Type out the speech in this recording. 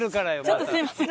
ちょっとすみません。